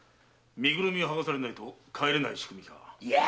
身ぐるみはがされないと帰れない仕組みか。